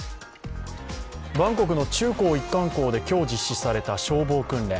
バンコクの中高一貫校で今日実施された消防訓練。